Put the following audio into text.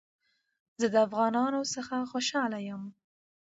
زه د افغانانو څخه خوشحاله يم